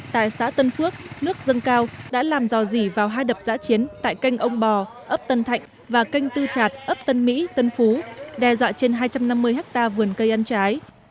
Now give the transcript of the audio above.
tại xã tân phước nước dâng cao đã làm dò dỉ vào hai đập giã chiến tại canh ông bò ấp tân thạnh và canh tư chạt ấp tân mỹ tân phú đe dọa trên hai trăm năm mươi hectare vườn cây ăn trái